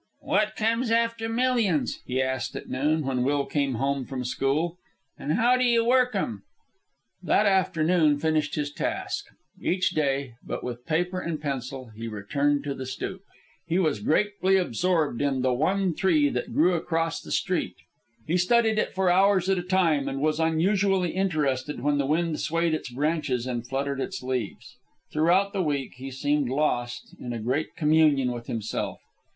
"What comes after millions?" he asked at noon, when Will came home from school. "An' how d'ye work 'em?" That afternoon finished his task. Each day, but without paper and pencil, he returned to the stoop. He was greatly absorbed in the one tree that grew across the street. He studied it for hours at a time, and was unusually interested when the wind swayed its branches and fluttered its leaves. Throughout the week he seemed lost in a great communion with himself.